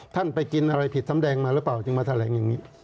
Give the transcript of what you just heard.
ท่านไปกินอะไรผิดน้ำแดงมาหรือเปล่าจึงมาแถลงอย่างนี้